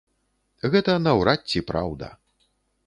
Гэта наўрад ці праўда.